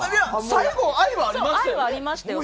最後、愛はありましたよ。